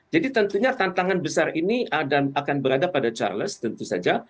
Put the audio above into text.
jadi tentunya tantangan besar ini akan berada pada charles tentu saja